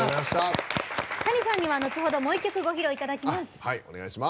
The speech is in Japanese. Ｔａｎｉさんには後ほど、もう一曲ご披露いただきます。